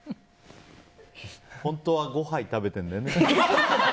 本当は５杯食べてるんだよね。